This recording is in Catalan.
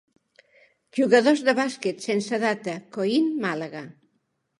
Jugadors de bàsquet, sense data, Coín, Màlaga.